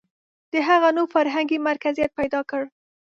• د هغه نوم فرهنګي مرکزیت پیدا کړ.